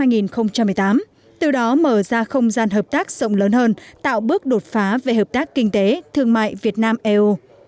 thủ tướng đã mở ra không gian hợp tác rộng lớn hơn tạo bước đột phá về hợp tác kinh tế thương mại việt nam eu